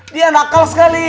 dia nakal sekali